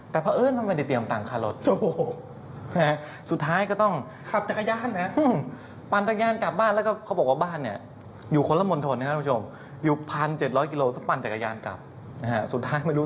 วิวพันเจ็ดร้อยกิโลซับปันจากกระยานกลับนะฮะสุดท้ายไม่รู้